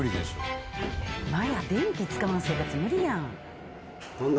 今や電気使わん生活無理やん。